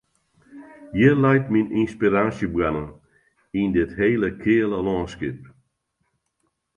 Hjir leit myn ynspiraasjeboarne, yn dit hele keale lânskip.